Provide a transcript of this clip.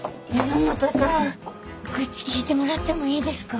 榎本さん愚痴聞いてもらってもいいですか？